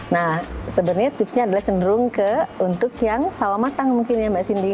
nah sebenarnya tipsnya adalah cenderung ke untuk yang sawah matang mungkin ya mbak cindy